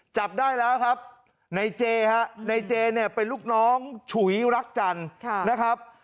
จับได้แล้วครับในเจฮะในเจเนี่ยเป็นลูกน้องฉุยรักจันทร์นะครับ